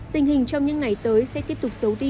tình hình trong những ngày tới sẽ tiếp tục xấu đi